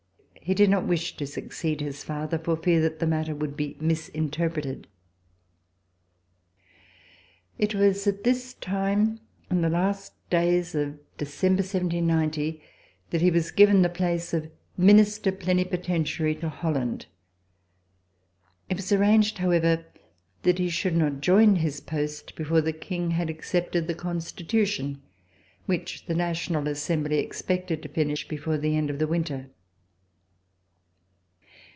He did not wish to succeed his father for fear that the matter would be misinterpreted. It was at this time, in the last days of December, 1790, that he was given the place of Minister Pleni potentiary to Holland. It was arranged, however, that he should not join his post before the King had accepted the Constitution, which the National As sembly expected to finish before the end of the winter.